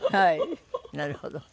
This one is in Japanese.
なるほどね。